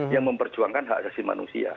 yang memperjuangkan hak asasi manusia